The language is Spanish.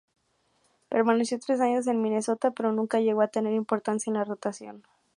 Permaneció tres años en Minnesota pero nunca llegó a tener importancia en la rotación.